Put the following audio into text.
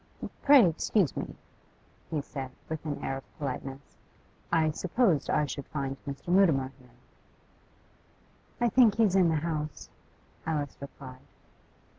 'Pray excuse me,' he said, with an air of politeness. 'I supposed I should find Mr. Mutimer here.' 'I think he's in the house,' Alice replied.